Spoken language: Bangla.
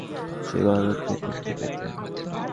তিনি অন্য যে-কোন খেলোয়াড়ের চেয়ে বলকে দেখতে পেতেন।